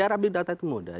di era big data itu mudah